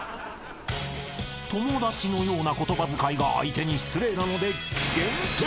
［友達のような言葉遣いが相手に失礼なので］